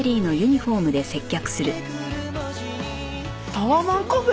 タワマンカフェ！？